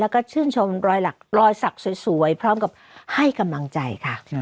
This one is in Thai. แล้วก็ชื่นชมรอยสักสวยพร้อมกับให้กำลังใจค่ะ